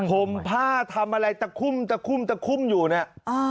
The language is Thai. ห่มผ้าทำอะไรตะคุ่มตะคุ่มตะคุ่มอยู่เนี่ย